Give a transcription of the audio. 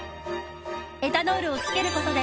エタノールをつけることで